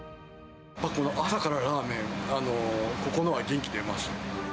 朝からラーメン、ここのは元気出ます。